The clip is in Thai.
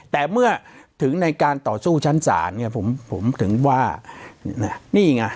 แต่เมื่อถึงในการต่อสู้ชั้นศาลเนี่ยผมถึงว่านี่ไง